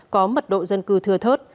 có mật độ dân cư thừa thớt